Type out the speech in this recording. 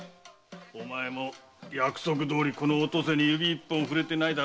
お前も約束どおりお登世に指一本触れてないな？